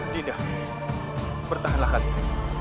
tidak bertahanlah kalian